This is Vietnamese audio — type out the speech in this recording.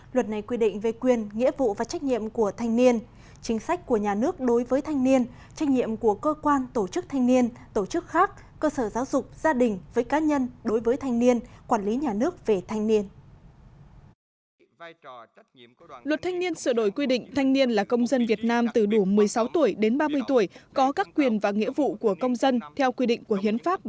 luật này quy định về quyền nghĩa vụ và trách nhiệm của thanh niên chính sách của nhà nước đối với thanh niên trách nhiệm của cơ quan tổ chức thanh niên tổ chức khác cơ sở giáo dục gia đình với cá nhân đối với thanh niên quản lý nhà nước về thanh niên